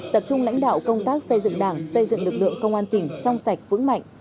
tập trung lãnh đạo công tác xây dựng đảng xây dựng lực lượng công an tỉnh trong sạch vững mạnh